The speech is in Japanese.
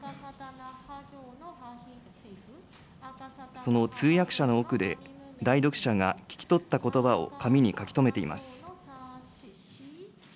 その通訳者の奥で、代読者が聞き取ったことばを紙に書き留めています。